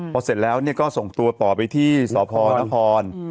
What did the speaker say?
พอเสร็จแล้วเนี่ยก็ส่งตัวต่อไปที่สปบร้อนทรน